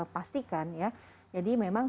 pastikan ya jadi memang